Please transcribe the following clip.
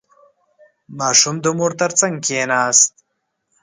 • ماشوم د مور تر څنګ کښېناست.